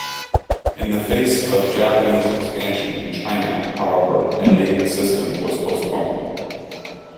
In the face of Japanese expansion in China, however, ending the system was postponed.